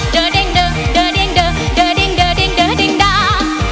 เดอเดียงเดอเดอเดียงเดอเดอเดียงเดอเดียงเดอเดียงดา